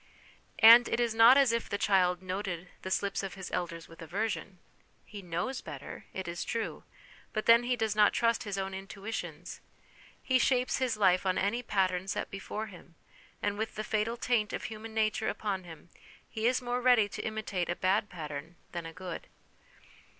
And it is not as if the child noted the slips of his elders with aversion, lie knows better, it is true, but then he does not trust his own intuitions ; he shapes his life on any pattern set before him, and with the fatal taint of human nature upon him he is more ready to imitate a bad pattern than a good.